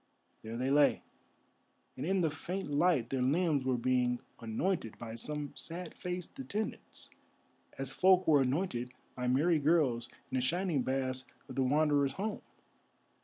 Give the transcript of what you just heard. There they lay, and in the faint light their limbs were being anointed by some sad faced attendants, as folk were anointed by merry girls in the shining baths of the Wanderer's home.